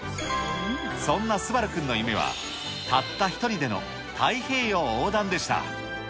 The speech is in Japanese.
そんな素晴君の夢は、たった１人での太平洋横断でした。